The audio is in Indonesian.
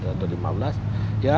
ya kami diurutkan